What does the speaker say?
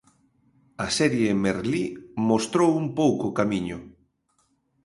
A serie Merlí mostrou un pouco camiño.